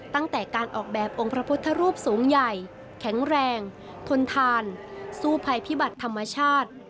ตั้งแต่การออกแบบองค์พระพุทธรูปสูงใหญ่แข็งแรงทนทานสู้ภัยพิบัติธรรมชาติ